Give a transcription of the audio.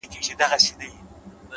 د ژوند مانا په اغېز کې ده’